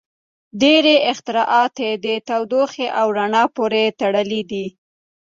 • ډیری اختراعات د تودوخې او رڼا پورې تړلي دي.